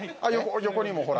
◆横にもほら。